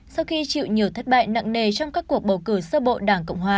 sau khi chịu nhiều thất bại nặng nề trong các cuộc bầu cử sơ bộ đảng cộng hòa